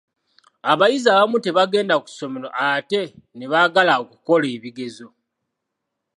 Abayizi abamu tebagenda ku ssomero ate ne baagala okukola ebigezo.